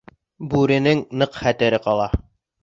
Бүренең ныҡ хәтере ҡала.